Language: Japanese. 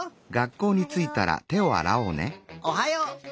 おはよう。